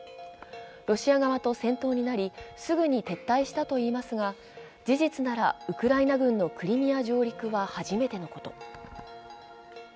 ロシア側と戦闘になり、すぐに撤退したといいますが事実なら、ウクライナ軍のクリミア上陸は初めてのこと。